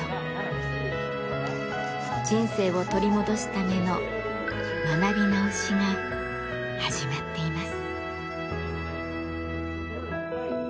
人生を取り戻すための学び直しが始まっています。